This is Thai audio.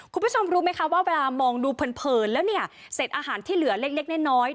คุณผู้ชมรู้ไหมคะว่าเวลามองดูเผินแล้วเนี่ยเศษอาหารที่เหลือเล็กน้อย